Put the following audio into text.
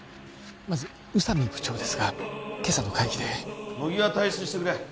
まず宇佐美部長ですが今朝の会議で乃木は退室してくれ